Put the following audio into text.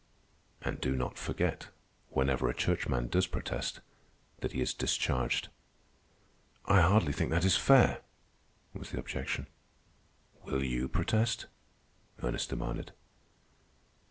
"And do not forget, whenever a churchman does protest, that he is discharged." "I hardly think that is fair," was the objection. "Will you protest?" Ernest demanded.